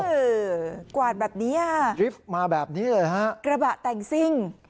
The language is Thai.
เอ้าห์กว่าดแบบนี้มาแบบนี้เลยฮะกระบะแต่งซิ้ง